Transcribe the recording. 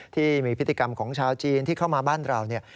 ที่มีพฤติกรรมของชาวจีนที่เข้ามาบ้านเราเนี่ย